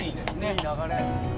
いい流れ。